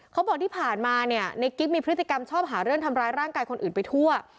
เขาบอกที่ผ่านมาเนี่ยในกิ๊กมีพฤติกรรมชอบหาเรื่องทำร้ายร่างกายคนอื่นไปทั่ว